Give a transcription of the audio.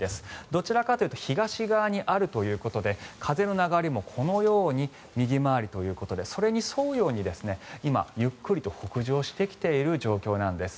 どちらかというと東側にあるということで風の流れもこのように右回りということでそれに沿うように今、ゆっくりと北上してきている状況なんです。